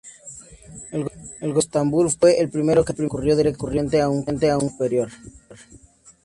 El gobierno de Estambul fue el primero que recurrió directamente a una corte superior.